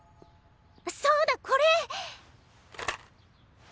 そうだこれ！